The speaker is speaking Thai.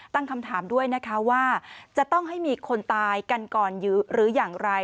ตั้งคำถามด้วยนะคะว่าจะต้องให้มีคนตายกันก่อนหรืออย่างไร